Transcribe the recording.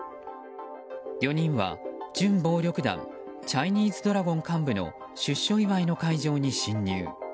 ４人は、準暴力団チャイニーズドラゴン幹部の出所祝いの会場に侵入。